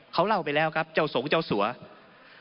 เขาเล่าไปแล้วครับเจ้าสงฆ์เจ้าสัว